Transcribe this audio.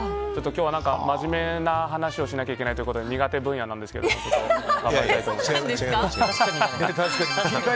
今日は真面目な話をしなきゃいけないということで苦手分野なんですけど頑張りたいと思います。